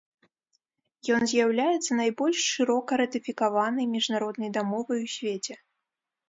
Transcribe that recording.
Ён з'яўляецца найбольш шырока ратыфікаванай міжнароднай дамовай у свеце.